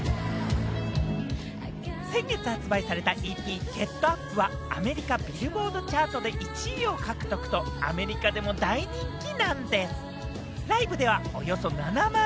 先月発売されたＥＰ『ＧｅｔＵｐ』は、アメリカ・ビルボード・チャートで１位を獲得と、アメリカでも大人気なんでぃす。